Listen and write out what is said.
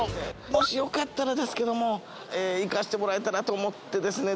もしよかったらですけども行かせてもらえたらと思ってですね